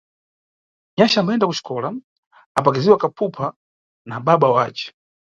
Nyaxa ambayenda kuxikola apakiziwa kaphupha na baba wace.